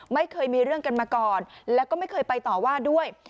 ไม่เคยมีเรื่องกันมาก่อนแล้วก็ไม่เคยไปต่อว่าด้วย